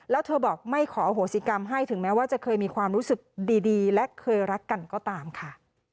แล้วเธอบอกไม่ขออโหสิกรรมให้ถึงแม้ว่าจะเคยมีความรู้สึกดีและเคยรักกันก็ตามค่ะ